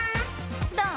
どう？